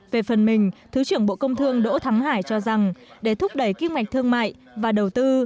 về phần mình thứ trưởng bộ công thương đỗ thắng hải cho rằng để thúc đẩy kinh mạch thương mại và đầu tư